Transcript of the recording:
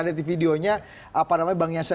lihat di videonya apa namanya bang jansentu